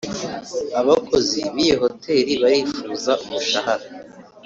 abakozi b’iyo hotel barifuza umushahara